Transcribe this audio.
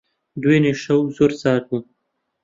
دوێنێ شەو زۆر سارد بوو.